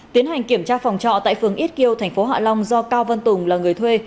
tiến hành kiểm tra phòng trọ tại phường ít kiêu tp hạ long do cao vân tùng là người thuê